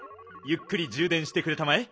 ゆっくりじゅうでんしてくれたまえ。